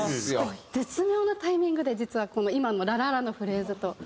絶妙なタイミングで実はこの今の「ラララ」のフレーズと。